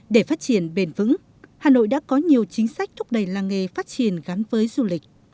để phát triển bền vững hà nội đã có nhiều chính sách thúc đẩy làng nghề phát triển gắn với du lịch